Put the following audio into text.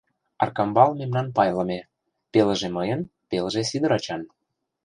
Аркамбал мемнан пайлыме: пелыже — мыйын, пелыже — Сидыр ачан...